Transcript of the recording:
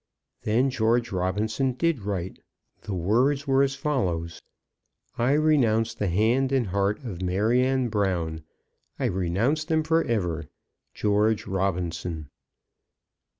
Then George Robinson did write. The words were as follows; "I renounce the hand and heart of Maryanne Brown. I renounce them for ever. George Robinson."